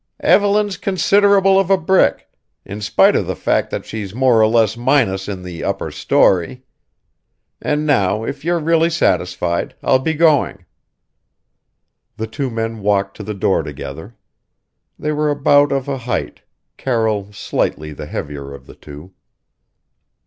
"Evelyn's considerable of a brick, in spite of the fact that she's more or less minus in the upper story. And now, if you're really satisfied, I'll be going." The two men walked to the door together. They were about of a height; Carroll slightly the heavier of the two.